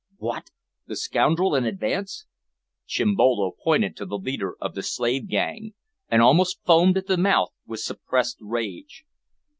"What! the scoundrel in advance?" Chimbolo pointed to the leader of the slave gang, and almost foamed at the mouth with suppressed rage.